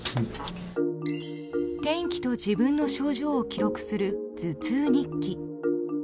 天気と自分の症状を記録する頭痛日記。